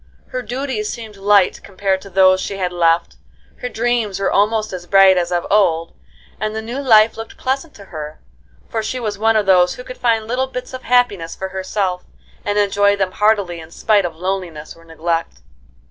Her duties seemed light compared to those she had left, her dreams were almost as bright as of old, and the new life looked pleasant to her, for she was one of those who could find little bits of happiness for herself and enjoy them heartily in spite of loneliness or neglect.